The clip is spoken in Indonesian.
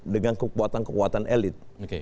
dengan kekuatan kekuatan elit